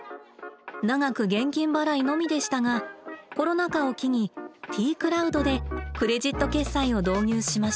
長く現金払いのみでしたがコロナ禍を機にＴクラウドでクレジット決済を導入しました。